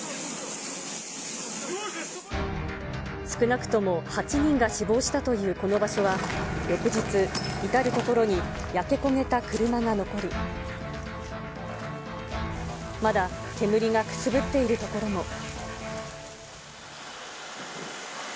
少なくとも８人が死亡したというこの場所は、翌日、至る所に焼け焦げた車が残り、まだ煙がくすぶっている所も。